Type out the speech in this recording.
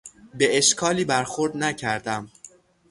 به اشکالی برخورد نکردم.